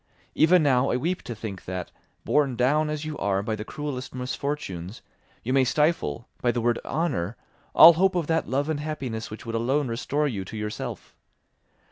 Even now I weep to think that, borne down as you are by the cruellest misfortunes, you may stifle, by the word honour, all hope of that love and happiness which would alone restore you to yourself.